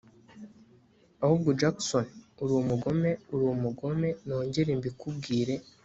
ahubwo Jackson urumugome urumugome nongere mbikubwire